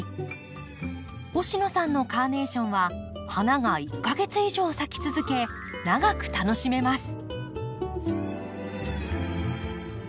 星野さんのカーネーションは花が１か月以上咲き続け長く楽しめます。